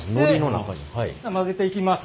混ぜていきます。